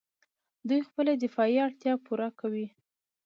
دوی خپله دفاعي اړتیا پوره کوي.